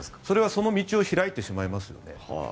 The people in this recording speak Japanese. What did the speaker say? それはその道を開いてしまいますよね。